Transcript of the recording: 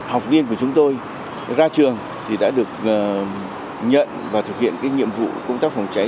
học viên của chúng tôi ra trường thì đã được nhận và thực hiện nhiệm vụ công tác phòng cháy